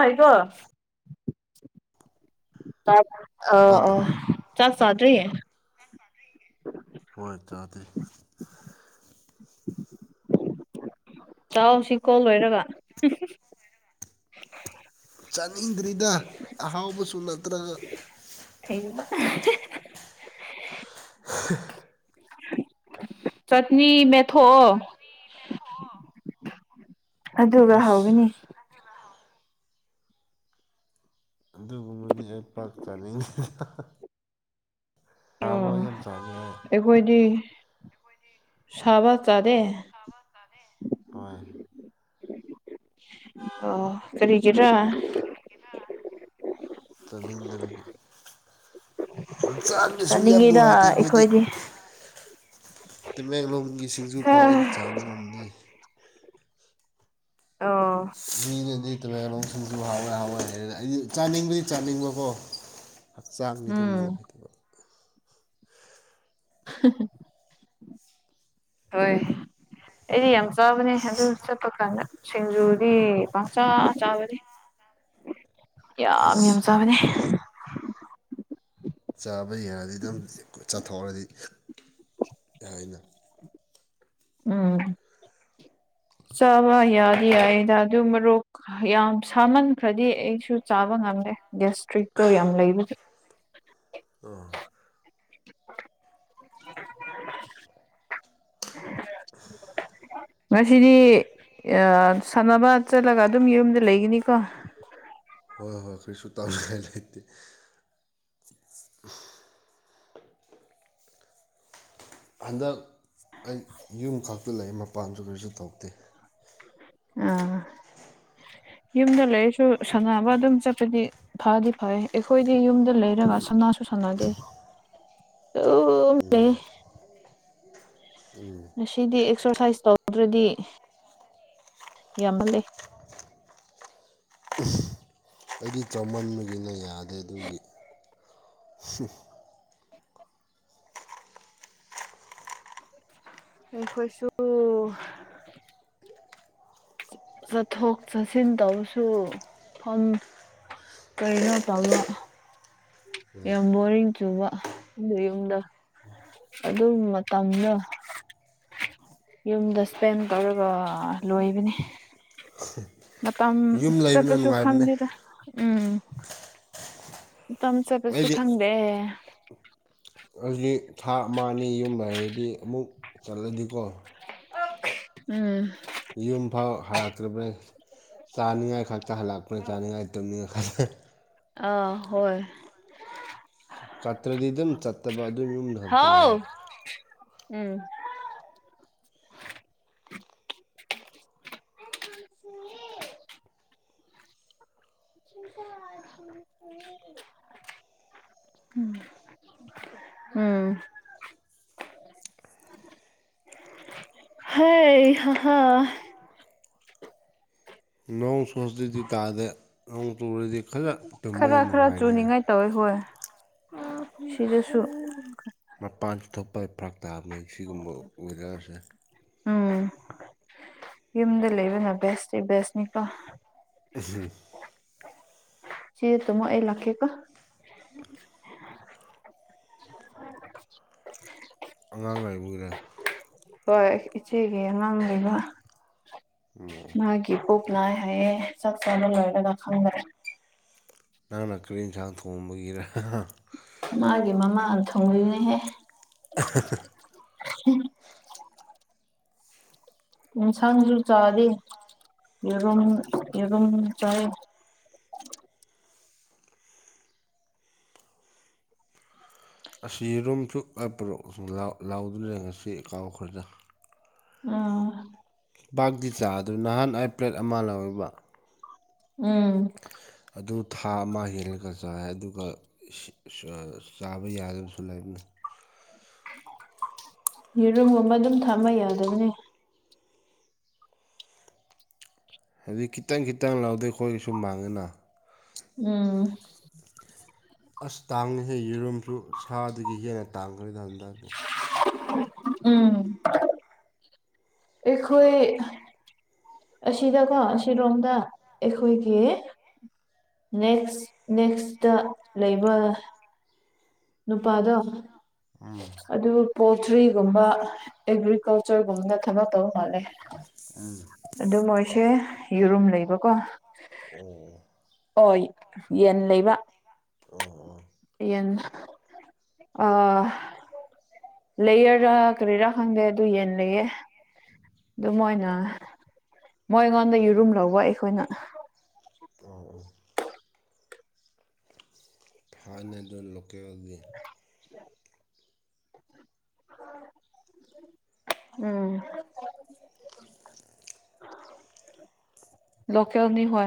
ꯥꯏꯒꯣ ꯑ ꯇꯥꯗꯦ ꯑ ꯆꯠꯗ꯭ꯔꯤ ꯍꯣꯏ ꯆꯥꯗ ꯆꯥꯎꯥꯛꯁꯤ ꯀꯣꯜ ꯂꯣꯏꯔꯒ ꯆꯥꯅꯤꯡꯗ꯭ꯔꯤꯗ ꯑꯍꯥꯎꯕꯁꯨ ꯅꯠꯇ꯭ꯔꯒ ꯊꯩꯒꯕ [unintelligible] ꯆꯠꯅꯤ ꯃꯦꯠꯊꯣꯛꯑꯣ ꯑꯗꯨꯒ ꯑꯁ ꯍꯧꯒꯅꯤ ꯑꯨꯝꯗꯤ ꯑꯩꯣꯏ ꯄꯥꯛ ꯆꯥꯅꯤꯡꯗꯦ ꯑꯣ ꯊꯥꯕ ꯌꯥꯝ ꯆꯥꯅꯤꯡꯦ ꯑꯩꯈꯣꯏꯗꯤ ꯁꯥꯕ ꯆꯥꯗꯦ ꯍꯣꯏ ꯑꯣ ꯀꯔꯤꯒꯤꯔꯥ ꯆꯅꯥꯡꯗꯕꯤꯒꯤ ꯍꯛꯆꯥꯡꯒꯤꯁꯨ ꯌꯥꯝ ꯅꯨꯡꯉꯥꯏꯇꯦ ꯑꯩꯈꯣꯏꯗꯤ ꯇꯃꯦꯡꯂꯣꯡꯒꯤ ꯁꯤꯡꯖꯨꯐꯥꯎ ꯑꯩꯗꯤ ꯑꯣ ꯆꯥꯕ ꯉꯝꯗꯦ ꯑꯣ ꯃꯤꯅꯗꯤ ꯇꯃꯦꯦꯡꯂꯡꯂꯣꯡꯁꯤꯡꯁꯨ ꯍꯥꯎꯋꯦ ꯍꯥꯎꯋꯦ ꯍꯥꯏꯔ ꯑꯩ ꯆꯥꯅꯤꯡꯕꯗꯤ ꯆꯥꯅꯤꯡꯕꯀꯣ ꯍꯛꯆꯥꯡꯒꯤꯗꯤ ꯎꯝ ꯅꯨꯉꯥꯏꯇꯕ ꯍꯣꯏ ꯑꯩꯗꯤ ꯌꯥꯝ ꯆꯥꯕꯅꯦ ꯑꯗꯨ ꯆꯠꯄꯀꯥꯟꯗ ꯁꯤꯡꯖꯨꯗꯤ ꯄꯥꯛꯆꯥꯥ ꯆꯥꯕꯅꯦ ꯌꯥꯝ ꯑꯁ ꯌꯥꯝ ꯆꯥꯕꯅꯦ ꯆꯥꯕ ꯌꯥꯔꯗꯤ ꯑꯗꯨꯝ ꯆꯥꯊꯣꯛꯔꯗꯤ ꯀꯅ ꯎꯝ ꯆꯥꯕ ꯌꯥꯗꯤ ꯌꯥꯏꯗ ꯑꯗꯨ ꯃꯣꯔꯣꯛ ꯌꯥꯝ ꯁꯥꯃꯟꯈ꯭ꯔꯗꯤ ꯑꯩꯁꯨ ꯆꯥꯕ ꯉꯝꯗꯦ ꯒꯦꯁꯇ꯭ꯔꯤꯛꯇꯣ ꯌꯥꯝ ꯂꯩꯕꯒꯤ ꯑ [unintelligible] ꯉꯁꯤꯗꯤ ꯁꯥꯟꯅꯕ ꯆꯠꯂꯒ ꯑꯗꯨꯝ ꯌꯨꯝꯗ ꯂꯩꯒꯅꯤꯀꯣ ꯍꯣꯏ ꯍꯣꯏ ꯀꯔꯤꯁꯨ ꯇꯧꯉꯥꯏ ꯂꯩꯇꯦ ꯍꯟꯗꯛ ꯑꯩ ꯌꯨꯝ ꯈꯛꯇ ꯂꯩ ꯃꯄꯥꯟꯁꯨ ꯀꯔꯤꯁꯨ ꯊꯣꯛꯇꯦ ꯑꯥ ꯌꯨꯝꯗ ꯂꯩꯔꯁꯨ ꯁꯥꯟꯅꯕ ꯑꯗꯨꯝ ꯆꯠꯄꯗꯤ ꯐꯗꯤ ꯐꯩ ꯑꯩꯈꯣꯏꯗꯤ ꯌꯨꯝꯗ ꯂꯩꯔꯒ ꯁꯅꯥꯁꯨ ꯁꯥꯟꯅꯗꯦ ꯑꯣꯅꯦ ꯉꯁꯤꯗꯤ ꯑꯦꯛꯁꯔꯁꯥꯏꯁ ꯇꯧꯗ꯭ꯔꯗꯤ ꯌꯥꯝꯅ ꯂꯩ ꯑꯩꯗꯤ ꯆꯥꯎꯃꯟꯕꯒꯤꯅ ꯌꯥꯗꯦ ꯑꯗꯨꯒꯤ ꯑꯩꯈꯣꯏꯁꯨ ꯆꯠꯊꯣꯛ ꯆꯠꯁꯤꯟ ꯇꯧꯁꯨ ꯀꯔꯤꯅꯣ ꯇꯕ ꯌꯥꯝ ꯕꯣꯔꯤꯡ ꯆꯨꯕ ꯑꯗꯨ ꯌꯨꯝꯗ ꯑꯗꯨꯝ ꯃꯇꯝꯅ ꯌꯨꯝꯗ ꯏꯁꯄꯦꯟ ꯇꯧꯔꯒ ꯂꯣꯏꯕꯅꯤ ꯃꯇꯝ ꯌꯨꯝ ꯂꯩꯕꯅ ꯆꯠꯄꯁꯨ ꯅꯨꯡꯉꯥꯏꯕꯅꯦ ꯈꯪꯗꯦꯗ ꯎꯝ ꯇꯝ ꯆꯕꯁꯨ ꯑꯩꯗꯤ ꯈꯪꯗꯦ ꯑꯩꯗꯤ ꯊꯥ ꯑꯃꯅꯤ ꯌꯨꯝ ꯂꯩꯔꯗꯤ ꯑꯃꯨꯛ ꯆꯠꯂꯗꯤꯀꯣ ꯎꯝ ꯌꯨꯝ ꯐꯥꯎ ꯍꯔꯛꯇ꯭ꯔꯕꯅꯤ ꯆꯥꯅꯤꯡꯉꯥꯏ ꯈꯛꯇ ꯍꯜꯂꯛꯄꯅ ꯆꯥꯅꯤꯡꯉꯥꯏ ꯇꯨꯝꯅꯤꯡꯉ ꯈꯜꯂ ꯑꯥ ꯍꯣꯏ ꯆꯇ꯭ꯔꯗꯤ ꯑꯗꯨꯝ ꯆꯠꯇꯕ ꯑꯗꯨꯏ ꯌꯨꯝꯗꯨ ꯈꯛꯇ ꯍꯥꯎ ꯂꯩꯕ ꯎꯝ ꯁꯤ [unintelligible] ꯀ [unintelligible] ꯝ ꯎꯝ ꯍ ꯍꯥ ꯍꯥ ꯅꯣꯡꯁꯨ ꯍꯧꯖꯤꯛꯇꯤ ꯇꯥꯗꯦ ꯅꯣꯡ ꯆꯨꯔꯗꯤ ꯈꯔ ꯇꯨꯝꯕꯗꯤ ꯈꯔ ꯈꯔ ꯅꯨꯡꯉꯥꯏꯅꯤꯉꯥꯏ ꯆꯨꯅꯤꯡꯉꯥꯏ ꯇꯧꯋꯦ ꯍꯣꯏ ꯁꯤꯗꯁꯨ ꯃꯄꯥꯟ ꯊꯣꯛꯄ ꯐ꯭ꯔꯥꯛ ꯇꯥꯕꯅꯦ ꯁꯤꯒꯨꯝꯕ ꯋꯦꯗꯔꯁꯦ ꯎꯝ ꯌꯨꯝꯗ ꯂꯩꯕꯅ ꯕꯦꯁꯇꯤ ꯕꯦꯁꯅꯤꯀꯣ ꯑ ꯆꯦꯒ ꯇꯨꯝꯃꯣ ꯑꯩ ꯂꯥꯛꯀꯦꯀꯣ ꯑꯉꯥꯡ ꯂꯩꯕꯒꯤꯔ ꯍꯣꯏ ꯏꯆꯦꯒꯤ ꯑꯉꯥꯡ ꯂꯩꯕ ꯑꯣ ꯏꯄꯨꯛ ꯅꯥꯏ ꯍꯥꯏꯌꯦ ꯆꯥꯛ ꯆꯥꯕ ꯂꯣꯏꯔꯒ ꯈꯪꯗꯔꯦ ꯅꯪꯅ ꯀꯔꯤ ꯌꯦꯟꯁꯥꯡ ꯊꯣꯡꯕꯒꯤꯔ ꯃꯥꯒꯤ ꯃꯃꯥ ꯊꯨꯡꯂꯤꯅꯦꯍꯦ [unintelligible] ꯌꯦꯟꯁꯥꯡꯁꯨ ꯆꯥꯗꯦ ꯌꯦꯔꯨꯝ ꯌꯦꯔꯨꯝ ꯆꯥꯏ ꯑꯁ ꯌꯦꯔꯨꯝꯁꯨ ꯑꯦꯄꯨꯔꯧ [unintelligible] ꯂꯥꯎ ꯂꯥꯎꯗ꯭ꯔꯦ ꯉꯁꯤ ꯀꯥꯎꯈ꯭ꯔꯦꯗ ꯑ ꯕꯥꯛꯒꯤ ꯆꯥꯗꯨ ꯅꯍꯥꯟ ꯑꯩ ꯄ꯭ꯂꯦꯠ ꯑꯃ ꯂꯧꯋꯦꯕ ꯎꯝ ꯑꯗꯨ ꯊꯥ ꯑꯃ ꯍꯦꯜꯂꯒ ꯆꯥꯏꯥꯏ ꯑꯗꯨꯒ ꯆꯥꯕ ꯌꯥꯗꯕꯁꯨ ꯂꯩꯕꯅꯤ ꯌꯦꯔꯨꯝꯒꯨꯝꯕ ꯑꯗꯨꯝ ꯊꯝꯕ ꯌꯥꯗꯕꯅꯤ ꯍꯥꯏꯗꯤ ꯈꯤꯇꯪ ꯈꯤꯇꯪ ꯂꯥꯎꯗꯣꯏ ꯑꯩꯈꯣꯏꯒꯤ ꯁꯨꯝ ꯃꯥꯡꯉꯤꯅ ꯎꯝ ꯑꯁ ꯇꯥꯡꯉꯍꯦ ꯌꯦꯔꯨꯝꯝꯁꯨ ꯁꯥꯗꯒꯤ ꯍꯦꯟꯅ ꯇꯥꯡꯈ꯭ꯔꯦꯗ ꯍꯟꯗꯥ ꯎꯝ ꯑꯩꯈꯣꯏ ꯑꯁꯤꯗꯀꯣ ꯑꯁꯤꯔꯣꯝꯗ ꯑꯩꯈꯣꯏꯒꯤ ꯅꯦꯛꯁ ꯅꯦꯛꯁꯇ ꯂꯩꯕ ꯅꯨꯄꯥꯗꯣ ꯎꯝ ꯑꯗꯨ ꯄꯣꯜꯇ꯭ꯔꯤꯒꯨꯝꯕ ꯑꯦꯒ꯭ꯔꯤꯀꯜꯆꯔꯒꯨꯝꯕꯅ ꯊꯕꯛꯇꯧ ꯃꯥꯜꯂꯦ ꯑ ꯑꯗꯨ ꯃꯣꯏꯁꯦ ꯌꯦꯔꯨꯝ ꯂꯩꯕꯀꯣ ꯑꯣ ꯍꯣꯏ ꯌꯦꯟ ꯂꯩꯕ ꯑꯣ ꯑꯣ ꯌꯦꯟ ꯑꯥ ꯂꯩꯌꯦꯔꯥ ꯀꯔꯤꯔꯥ ꯈꯪꯗꯦ ꯑꯗꯨ ꯌꯦꯟ ꯂꯩꯌꯦ ꯑꯗꯨ ꯃꯣꯏꯅ ꯃꯣꯏ ꯑꯩꯉꯣꯟꯗ ꯌꯦꯨꯔꯨꯝ ꯂꯧꯕ ꯑꯩꯈꯣꯏꯅ ꯑ ꯍꯥꯟꯅꯗꯨ ꯂꯣꯀꯦꯜꯒꯤ ꯎ ꯎꯝ ꯂꯀꯦꯜꯅꯤ ꯍꯣꯏ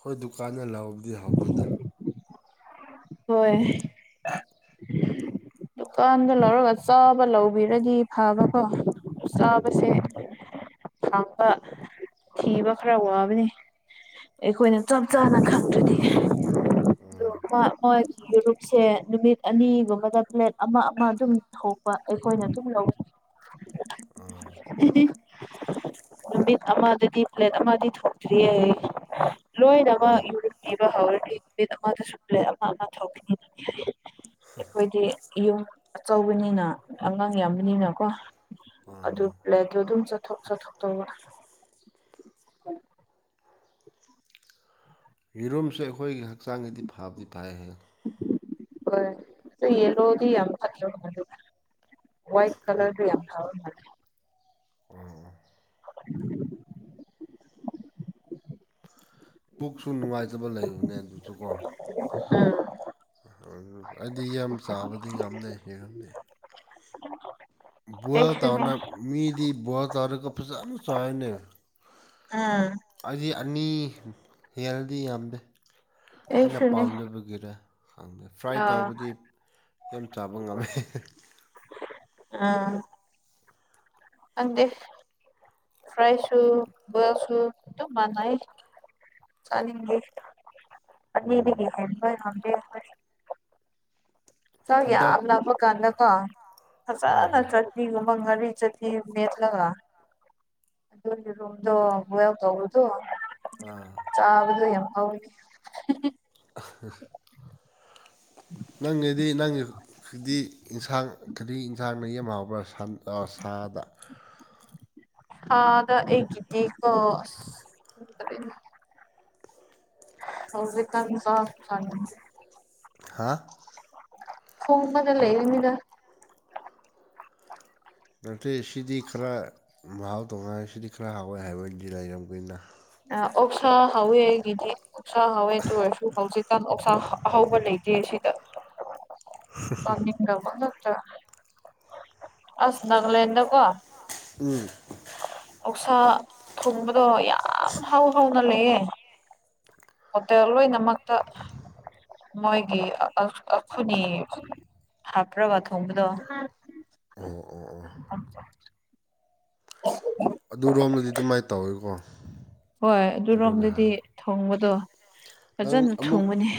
ꯍꯣꯏ ꯗꯨꯀꯥꯟꯗ ꯂꯧꯕꯗꯤ ꯍꯥꯎꯇꯦꯗ ꯍꯣꯏ ꯗꯨꯀꯥꯟꯗ ꯂꯧꯔꯒ ꯆꯥꯕ ꯂꯧꯕꯤꯔꯗꯤ ꯐꯕꯀꯣ ꯎꯝ ꯆꯥꯕꯁꯦ ꯈꯥꯡꯕ ꯊꯤꯕ ꯈꯔ ꯋꯥꯕꯅꯤ ꯑꯩꯈꯣꯏꯅ ꯆꯞ ꯆꯥꯅ ꯈꯪꯗ꯭ꯔꯗꯤ ꯎꯝ ꯃꯣꯏ ꯒ꯭ꯔꯨꯞꯁꯦ ꯅꯨꯃꯤꯠ ꯑꯅꯤꯒꯨꯝꯕꯗ ꯄ꯭ꯂꯦꯠ ꯑꯃ ꯑꯃ ꯑꯗꯨꯝ ꯊꯣꯛ ꯑꯩꯈꯣꯏꯅ ꯑꯗꯨꯝ ꯂꯧꯏ ꯅꯨꯃꯤꯠ ꯑꯃꯗꯗꯤ ꯄ꯭ꯂꯦꯠ ꯑꯃꯗꯤ ꯊꯣꯛꯇ꯭ꯔꯤꯌꯦ ꯍꯣꯏ ꯂꯣꯏꯅꯃꯛ ꯌ ꯄꯕ ꯍꯧꯔꯗꯤ ꯅꯨꯃꯤꯠ ꯑꯃꯗ ꯁꯂꯦ ꯑꯃ ꯑꯃ ꯊꯣꯛꯈꯤꯅꯤꯅ [unintelligible] ꯑꯩꯈꯣꯏꯗꯤ ꯌꯨꯝ ꯑꯆꯧꯕꯅꯤꯅ ꯑꯉꯥꯡ ꯌꯥꯝꯕꯅꯤꯅꯀꯣ ꯑꯗꯨ ꯄ꯭ꯂꯦꯠꯇꯣ ꯑꯗꯨꯝ ꯆꯠꯊꯣꯛ ꯆꯠꯊꯣꯛ ꯇꯧꯕ ꯎ ꯌꯦꯔꯨꯝꯁꯨ ꯑꯩꯈꯣꯏꯒꯤ ꯍꯛꯆꯥꯡꯗꯗꯤ ꯐꯕꯗꯤ ꯐꯥꯏ ꯍ ꯍꯣꯏ ꯌꯦꯂꯣꯗꯤ ꯌꯥꯝ ꯈꯔ ꯋꯥꯏꯠ ꯀꯂꯔ ꯌꯥꯝ ꯎꯝ [unintelligible] ꯄꯨꯕꯨꯛꯁꯨ ꯅꯨꯡꯉꯥꯏꯇꯕ ꯂꯩꯕꯅꯦ ꯑꯗꯨꯁꯨ ꯀꯣ ꯑꯝ ꯑꯩꯗꯤ ꯌꯥꯝ ꯆꯥꯕꯗꯤ ꯌꯥꯝꯅ ꯍꯦꯟꯒꯗ ꯎ ꯕꯨꯍ ꯇꯧꯅ ꯃꯤꯗꯤ ꯕꯨꯍ ꯇꯧꯔꯒ ꯐꯖꯥꯅ ꯆꯉꯥꯏꯅꯦ ꯑꯥ ꯑꯩꯗꯤ ꯑꯅꯤ ꯍꯦꯜꯗꯤ ꯌꯥꯝꯗꯦ ꯑꯩꯅ ꯑꯩꯁꯨꯅꯦ ꯄꯥꯝꯖꯕꯒꯤꯔ ꯈꯪꯗꯦ ꯐ꯭ꯔꯥꯏ ꯑꯥ ꯇꯧꯕꯗꯤ ꯌꯥꯝ ꯆꯥꯕ ꯉꯝꯃꯦ ꯑꯥ ꯈꯪꯗꯦ ꯐ꯭ꯔꯥꯏꯁꯨ ꯕꯣꯏꯜꯁꯨꯨ ꯑꯗꯨꯝ ꯃꯥꯅꯩ ꯆꯅꯤꯡꯦ ꯍ ꯅꯦ ꯆꯥꯛ ꯍꯟꯗꯛ ꯌꯥꯝ ꯂꯥꯞꯄ ꯀꯥꯟꯗꯀꯣ ꯍꯣꯏ ꯐꯖꯅ ꯍꯣꯏ ꯆꯠ ꯃꯤ ꯃꯪꯒꯥꯥꯂꯤ ꯆꯗꯤ ꯅꯠꯂꯒ ꯗ ꯒꯋꯎꯛꯕꯣ ꯑꯥ ꯆꯥꯕꯗ ꯌꯥꯝꯦ [inaudible] ꯅꯪꯒꯤꯗꯤ ꯅꯪꯒꯤꯈꯗꯤ ꯏꯟꯁꯥꯡ ꯀꯔꯤ ꯏꯟꯁꯥꯡꯅ ꯌꯥꯝ ꯍꯥꯎꯕ꯭ꯔꯥ ꯁꯟ ꯁꯥꯗ ꯊꯥꯗ ꯑꯩꯒꯤꯗꯤꯀꯣ ꯑꯁ ꯍꯧꯖꯤꯀꯥꯟ ꯆꯥꯛ ꯆꯥꯅꯤꯡꯗꯦ ꯍꯥ [unintelligible] ꯅꯠꯇꯦ ꯁꯤꯗꯤ ꯈꯔ ꯃꯍꯥꯎ ꯇꯣꯡꯉꯥꯜꯂꯦ ꯁꯤꯗꯤ ꯈꯔ ꯍꯥꯎꯋꯦ ꯍꯥꯏꯕꯗꯤ ꯂꯩꯔꯝꯒꯅꯤꯗ ꯑ ꯑꯣꯛꯁꯥ ꯍꯥꯎꯋꯦ ꯑꯩꯒꯤꯗꯤ ꯑꯣꯛꯁꯥ ꯍꯥꯎꯋꯦ ꯗꯨꯑꯣꯏꯔꯁꯨ ꯍꯧꯖꯤꯀꯥꯟ ꯑꯣꯛꯁꯥ ꯑꯍꯧꯕ ꯂꯩꯇꯦ ꯁꯤꯗ ꯆꯥꯅꯤꯡꯗꯕ ꯑꯁ ꯅꯒꯂꯦꯟꯗ ꯀꯣ ꯎꯝ ꯑꯣꯛꯁꯥ ꯊꯣꯡꯕꯗꯣ ꯌꯥꯝ ꯍꯥꯎ ꯍꯥꯎꯅ ꯂꯩꯌꯦ ꯍꯣꯇꯦꯜ ꯂꯣꯏꯅꯃꯛꯇ ꯃꯣꯏꯒꯤ [unintelligible] ꯍꯥꯞꯔꯕ ꯊꯣꯡꯕꯗꯣ ꯑꯣ ꯑꯣ ꯑꯣ [inaudible] [inaudible] ꯑꯗꯨꯔꯣꯝꯗꯗꯤ ꯑꯗꯨꯃꯥꯏꯅ ꯇꯧꯋꯤꯀꯣ ꯍꯣꯏ ꯑꯗꯨꯅ ꯑꯗꯨꯔꯣꯝꯗꯗꯤ ꯍꯥꯏ ꯊꯣꯡꯕꯗꯣ ꯅꯪ ꯐꯖꯅ ꯑꯃꯨꯛ ꯊꯣꯡꯕꯅꯦ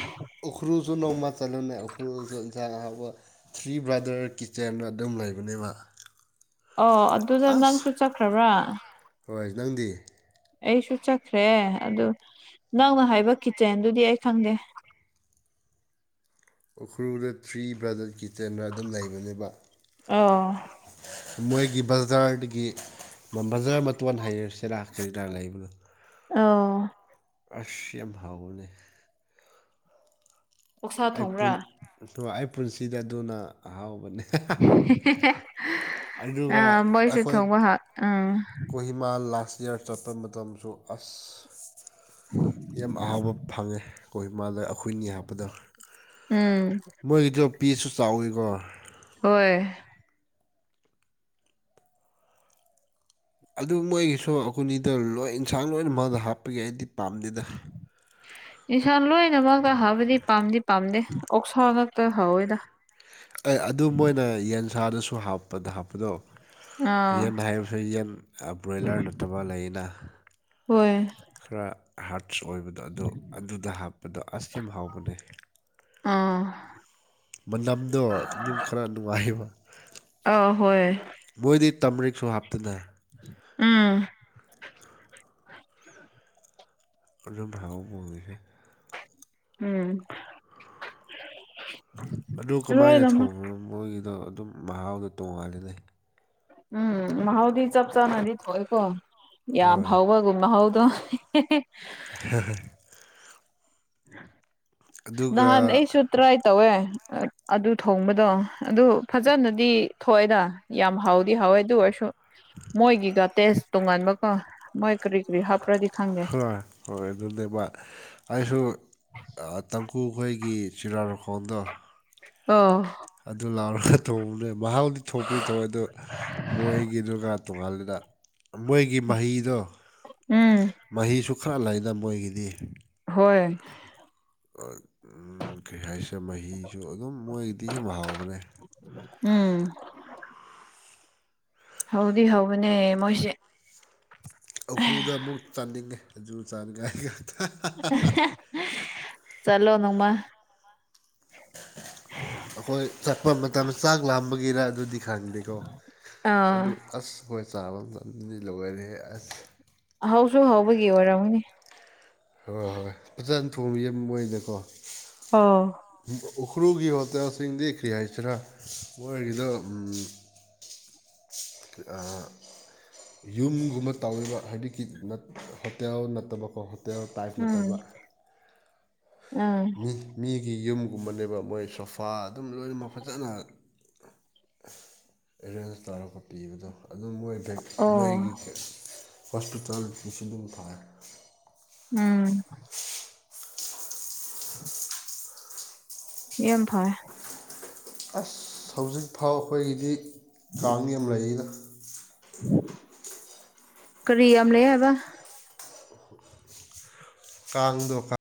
ꯎꯈ꯭ꯔꯨꯜꯁꯨ ꯅꯣꯡꯃ ꯆꯠꯂꯣꯅꯦ ꯎꯈ꯭ꯔꯨꯁꯨ ꯏꯟꯁꯥꯡ ꯑꯍꯥꯎꯕ ꯊ꯭ꯔꯤ ꯕ꯭ꯔꯥꯗꯔ ꯀꯤꯠꯆꯦꯟ ꯑꯗꯨꯝ ꯂꯩꯕꯅꯦꯕ ꯑꯣ ꯑꯗꯨꯗꯣ ꯑꯁ ꯅꯪꯁꯨ ꯆꯠꯈ꯭ꯔꯕ꯭ꯔꯥ ꯍꯣꯏ ꯅꯪꯗꯤ ꯑꯩꯁꯨ ꯆꯠꯈ꯭ꯔꯦ ꯑꯗꯨ ꯅꯪꯅ ꯍꯥꯏꯕ ꯀꯤꯠꯆꯦꯟꯗꯨꯗꯤ ꯑꯩ ꯈꯪꯗꯦ ꯎꯈ꯭ꯔꯨꯜꯗ ꯊ꯭ꯔꯤ ꯕ꯭ꯔꯗꯔ ꯀꯤꯠꯆꯟꯗꯅ ꯑꯗꯨꯝ ꯂꯩꯕꯅꯦꯕ ꯑꯣ ꯃꯣꯏꯒꯤ ꯕꯖꯥꯔꯗꯒꯤ ꯕꯖꯥꯔ ꯃꯇꯣꯟ ꯍꯩꯔꯁꯤꯔꯥ ꯀꯔꯤꯗꯥ ꯂꯩꯕꯅꯦ ꯑꯧ ꯑꯁ ꯌꯥꯝ ꯍꯥꯎꯕꯅꯦ ꯑꯣꯛꯁꯥ ꯑꯩ ꯄꯨꯟ ꯊꯣꯡꯕ꯭ꯔꯥ ꯑꯩ ꯄꯨꯟꯁꯤꯗ ꯑꯗꯨꯅ ꯑꯍꯥꯎꯕꯅꯦ ꯑꯗꯨꯒ ꯑꯥ ꯃꯣꯏꯁꯨ ꯑꯩꯈꯣꯏ ꯊꯣꯡꯕ ꯍꯥꯎ ꯑꯝ ꯀꯣꯍꯤꯃꯥ ꯂꯥꯁ ꯌꯥꯔ ꯆꯠꯄ ꯃꯇꯝꯁꯨ ꯑꯁ ꯌꯥꯝ ꯑꯍꯥꯎꯕ ꯐꯪꯉꯦ ꯀꯣꯍꯤꯃꯥꯥꯗ ꯑꯩꯈꯣꯏꯅꯤ ꯍꯥꯞꯄꯗꯣ ꯎꯝ ꯃꯣꯏꯒꯤꯗꯣ ꯄꯦꯁꯁꯨ ꯆꯥꯎꯋꯤꯀꯣ ꯍꯣꯏ ꯑꯗꯨ ꯃꯣꯏꯒꯤꯁꯨ ꯑꯩꯈꯣꯏꯅꯤꯗ ꯂꯣꯏ ꯏꯟꯁꯥꯡ ꯂꯣꯏꯅ ꯃꯛ ꯍꯥꯞꯄꯛ ꯏ ꯑꯩꯗꯤ ꯄꯥꯝꯗꯦꯗ ꯏꯟꯁꯥꯡ ꯂꯣꯏꯅꯃꯛꯒ ꯍꯥꯞꯄꯗꯤ ꯄꯥꯝꯗꯤ ꯄꯥꯝꯗꯦ ꯑꯣꯛꯁꯥ ꯉꯥꯛꯇ ꯍꯥꯎꯋꯦꯗ ꯑꯦ ꯑꯗꯨ ꯃꯣꯏꯅ ꯌꯦꯟꯁꯥꯗꯁꯨ ꯍꯥꯞꯄꯗ ꯍꯥꯞꯄꯗꯣ ꯑꯥ ꯌꯦꯟ ꯍꯥꯏꯕꯁꯤ ꯌꯦꯟ ꯑ ꯕ꯭ꯔꯣꯏꯂꯔ ꯅꯠꯇꯕ ꯂꯩꯅ ꯍꯣꯏ ꯈꯔ ꯍꯥꯔꯠꯁ ꯑꯣꯏꯕꯗꯣ ꯑꯗꯣ ꯑꯗꯨꯗ ꯍꯥꯞꯄꯗꯣ ꯑꯁ ꯌꯥꯝ ꯍꯥꯎꯕꯅꯦ ꯑꯪ ꯃꯅꯝꯗꯣ ꯑꯗꯨꯝ ꯈꯔ ꯅꯨꯡꯉꯥꯏꯌꯦꯕ ꯑ ꯍꯣꯏ ꯃꯣꯏꯗꯤ ꯇꯝꯔꯤꯛꯁꯨ ꯍꯥꯞꯇꯅ ꯎꯝ ꯑꯗꯨꯅ ꯍꯥꯎꯕ ꯑꯣꯏꯔꯤꯁꯦ ꯎꯝ ꯑꯗꯨ ꯀꯃꯥꯏꯅ ꯂꯣꯏꯅꯃꯛ ꯊꯣꯡꯕꯅꯣ ꯃꯣꯏꯒꯤꯗꯣ ꯑꯗꯨꯝ ꯃꯍꯥꯎꯗꯣ ꯇꯣꯡꯉꯥꯜꯂꯤꯅꯦ ꯎꯝ ꯃꯍꯥꯎꯗꯤ ꯆꯞ ꯆꯥꯅꯗꯤ ꯊꯣꯛꯑꯦꯀꯣ ꯌꯥꯝ ꯍꯣꯏ ꯍꯥꯎꯕꯒꯤ ꯃꯍꯥꯎꯗꯣ [unintelligible] [unintelligible] ꯅ ꯑꯗꯨꯒ ꯅꯁꯨ ꯇ꯭ꯔꯥꯏ ꯇꯧꯋꯦ ꯑꯗꯨ ꯊꯣꯡꯕꯗꯣ ꯑꯗꯨ ꯐꯖꯅꯗꯤ ꯊꯣꯛꯑꯦꯗ ꯌꯥꯝ ꯍꯥꯎꯗꯤ ꯍꯥꯎꯋꯦ ꯑꯗꯨ ꯑꯣꯏꯁꯨ ꯃꯣꯏꯒꯤꯒ ꯇꯦꯁ ꯇꯣꯉꯥꯟꯕꯒ ꯃꯣꯏ ꯀꯔꯤ ꯀꯔꯤ ꯍꯥꯞꯄ꯭ꯔꯗꯤ ꯈꯪꯗꯦ ꯍꯣꯏ ꯍꯣꯏ ꯑꯗꯨꯅꯦꯕ ꯑꯩꯁꯨ ꯀꯨꯈꯣꯏꯒꯤ ꯆꯤꯔꯥ ꯂꯧꯈꯣꯡꯗꯣ ꯑ ꯑꯗꯨ ꯂꯥꯎꯔꯒ ꯊꯣꯡꯅꯦ ꯃꯍꯥꯎꯗꯤ ꯊꯣꯛꯄꯗꯤ ꯊꯣꯛꯑꯦ ꯑꯗꯨ ꯃꯣꯏꯒꯤꯗꯨꯒ ꯇꯣꯉꯗ ꯃꯣꯏꯒꯤ ꯃꯍꯤꯗꯣ ꯎꯝ ꯃꯍꯤ ꯈ ꯂꯝꯃꯣꯏꯒꯤꯗꯤ ꯍꯣꯏ ꯀꯔꯤ ꯍꯥꯏꯁꯦ ꯃꯍꯤꯁꯨ ꯑꯗꯨꯝ ꯃꯣꯏꯗꯤ ꯌꯥꯝ ꯍꯥꯎꯕꯅꯦ ꯎꯝ ꯍꯗꯤ ꯍꯧꯕꯅꯦ ꯃꯣꯏꯁꯦ ꯎꯈ꯭ꯔꯨꯜꯗ ꯑꯃꯨꯛ ꯆꯠꯅꯤꯡꯉꯦ ꯑꯗꯨ ꯆꯥꯅꯤꯡꯉꯥꯏ ꯆꯂꯣꯅꯃ ꯑꯩꯈꯣꯏ ꯆꯠꯄ ꯃꯇꯝꯗ ꯆꯥꯛ ꯂꯥꯝꯕꯒꯤꯔ ꯑꯗꯨꯗꯤ ꯈꯪꯗꯦꯀꯣ ꯑꯗꯨ ꯑꯥ ꯑꯁ ꯍꯣꯏ ꯆꯥꯕ ꯃꯇꯝꯗꯤ ꯂꯣꯏꯔꯦꯍꯦ ꯑꯁ ꯍꯧꯁꯨ ꯍꯧꯕꯒꯤ ꯑꯣꯏꯔꯝꯅꯤ ꯍꯣꯏ ꯍꯣꯏ ꯍꯣꯏ ꯍꯣꯏ ꯐꯖꯅ ꯊꯣꯡꯕ ꯌꯦꯣꯏꯗꯀꯣ ꯑꯣ ꯎꯈ꯭ꯔꯨꯒꯤ ꯍꯣꯇꯥꯦꯜꯁꯤꯡꯗꯤ ꯀꯔꯤ ꯍꯥꯏꯁꯤꯔꯥ ꯃꯣꯏꯒꯤꯗ [unintelligible] ꯌꯨꯝꯒꯨꯝꯕ ꯇꯧꯔꯤꯕ ꯍꯥꯏꯗꯤꯛꯀꯤ ꯍꯣꯇꯦꯜ ꯅꯠꯇꯕꯀꯣ ꯍꯣꯇꯦꯜ ꯇꯥꯏꯞ ꯎꯝ ꯅꯠꯇꯕ ꯎꯝ ꯃꯤ ꯃꯤꯒꯤ ꯌꯨꯝꯒꯨꯝꯕꯅꯦꯕ ꯃꯣꯏ ꯁꯣꯐꯥ ꯑꯗꯨꯝ ꯂꯣꯏꯅꯃꯛ ꯐꯖꯅ ꯑꯦꯔꯦꯟꯖ ꯇꯧꯔꯛꯄ ꯄꯤꯕꯗꯣ ꯑꯗꯨꯝ ꯃꯣꯏ ꯃꯣꯏꯒꯤ ꯑꯣ ꯍꯣꯁꯄꯤꯇꯥꯜꯇꯁꯨ ꯑꯗꯨꯝ ꯊꯥꯏ ꯎꯝ ꯌꯥꯝꯦꯝ ꯊꯑ ꯑꯁ ꯍꯧꯖꯤꯛ ꯐꯥꯎ ꯑꯩꯈꯣꯏꯒꯤꯗꯤ ꯀꯥꯡ ꯑꯃ ꯂꯩꯔꯤꯅ ꯀꯔꯤꯌꯥ ꯑꯃ ꯂꯩꯕ [unintelligible] ꯀꯥꯡ ꯗꯣ ꯀꯥ